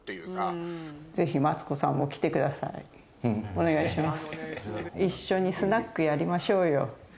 お願いします。